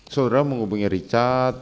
saudara menghubungi richard